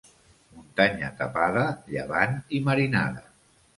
Muntanya tapada, llevant i marinada.